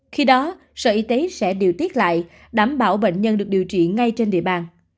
khi đó sở y tế sẽ điều tiết lại đảm bảo bệnh nhân được điều trị ngay trên địa bàn